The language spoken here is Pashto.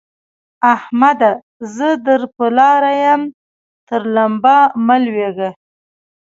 احمده! زه در پر لاره يم؛ تر لمبه مه لوېږه.